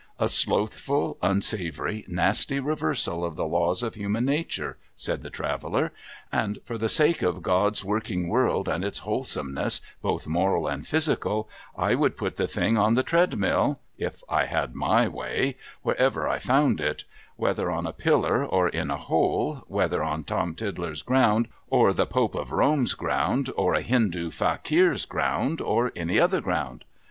' A slothful, unsavoury, nasty reversal of the laws of human nature,' said the Traveller ;' and for the sake of God's working world and its wholesomeness, both moral and i)hysical, I would put the thing on the treadmill (if I had my way) wherever I found it ; whether on a pillar, or in a hole ; whether on Tom Tiddler's ground, or the Pope of Rome's ground, or a Hindoo fakeer's ground, or any other ground.'